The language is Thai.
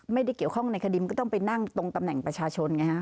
ไม่ได้เกี่ยวข้องในคดีมันก็ต้องไปนั่งตรงตำแหน่งประชาชนไงฮะ